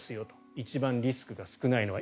一番リスクが少ないのは。